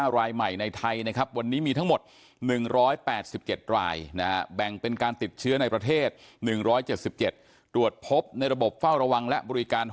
รายใหม่ในไทยนะครับ